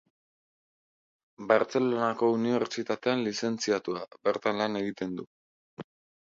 Bartzelonako Unibertsitatean lizentziatua, bertan lan egiten du.